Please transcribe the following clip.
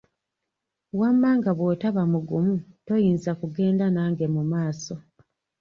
Wamma nga bw'otaba mugumu, toyinza kugenda nange mu maaso.